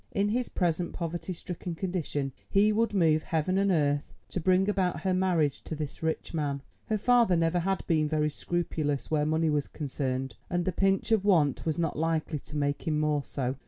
In his present poverty stricken condition he would move heaven and earth to bring about her marriage to this rich man. Her father never had been very scrupulous where money was concerned, and the pinch of want was not likely to make him more so.